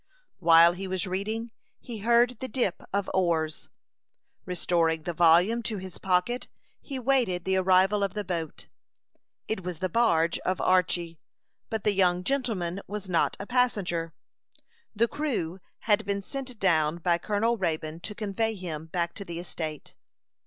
While he was reading, he heard the dip of oars. Restoring the volume to his pocket, he waited the arrival of the boat. It was the barge of Archy; but the young gentleman was not a passenger. The crew had been sent down by Colonel Raybone to convey him back to the estate.